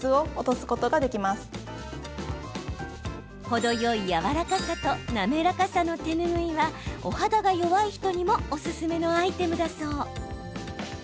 程よいやわらかさと滑らかさの手ぬぐいはお肌が弱い人にもおすすめのアイテムだそう。